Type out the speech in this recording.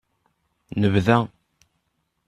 Nebda.